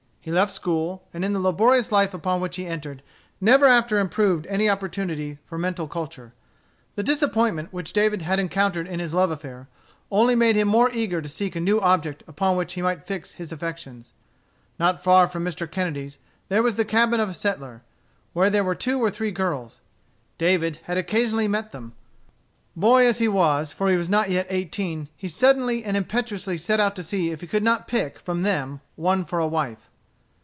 He left school, and in the laborious life upon which he entered, never after improved any opportunity for mental culture. The disappointment which David had encountered in his love affair, only made him more eager to seek a new object upon which he might fix his affections. Not far from Mr. Kennedy's there was the cabin of a settler, where there were two or three girls. David had occasionally met them. Boy as he was, for he was not yet eighteen, he suddenly and impetuously set out to see if he could not pick, from them, one for a wife.